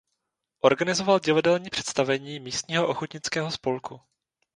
Organizoval divadelní představení místního ochotnického spolku.